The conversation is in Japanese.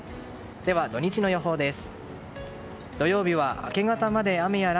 では、土日の予報です。